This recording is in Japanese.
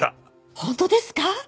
本当ですか？